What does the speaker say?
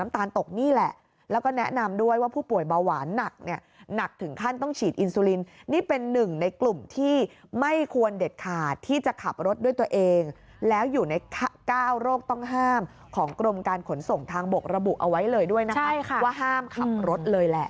ไม่ควรเด็ดขาดที่จะขับรถด้วยตัวเองแล้วอยู่ใน๙โรคต้องห้ามของกรมการขนส่งทางบกระบุเอาไว้เลยด้วยนะคะว่าห้ามขับรถเลยแหละ